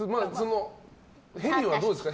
ヘリはどうですか。